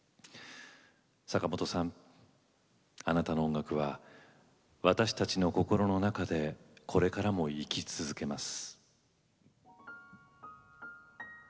坂本さんあなたの音楽は私たちの心の中でこれからも生き続けます。